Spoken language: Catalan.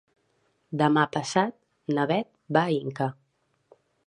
Demà passat na Bet va a Inca.